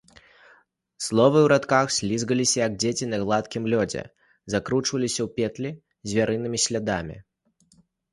Словы ў радках слізгаліся, як дзеці на гладкім лёдзе, закручваліся ў петлі звярынымі слядамі.